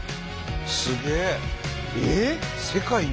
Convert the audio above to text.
すげえ！